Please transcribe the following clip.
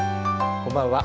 こんばんは。